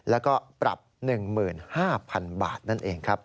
แล้วก็ปรับ๑๕๐๐๐บาทนั่นเองครับ